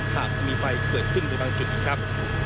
หากมีไฟเกิดขึ้นในบางจุดนะครับ